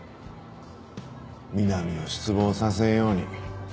みなみを失望させんように。